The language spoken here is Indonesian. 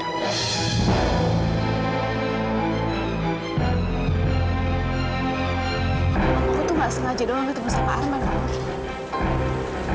aku tuh nggak sengaja doang ketemu sama arman